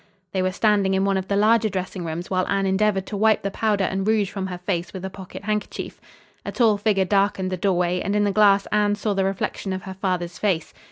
They were standing in one of the larger dressing rooms while Anne endeavored to wipe the powder and rouge from her face with a pocket handkerchief. A tall figure darkened the doorway, and in the glass Anne saw the reflection of her father's face.